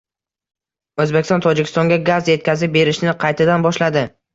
O‘zbekiston Tojikistonga gaz yetkazib berishni qaytadan boshladi